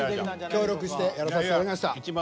協力してやらさせていただきました。